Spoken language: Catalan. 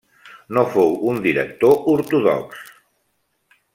No fou un director ortodox.